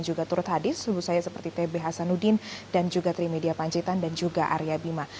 juga turut hadis seluruh saya seperti t b hasanuddin dan juga trimedia panjitan dan juga arya bima